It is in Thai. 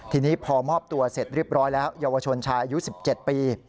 ทีนี้พอมอบตัวเสร็จเรียบร้อยแล้วเยาวชนชายอายุ๑๗ปี